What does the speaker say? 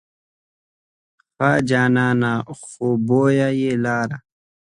ښه جانانه خوی بوی یې لاره.